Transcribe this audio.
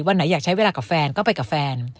ไหนอยากใช้เวลากับแฟนก็ไปกับแฟน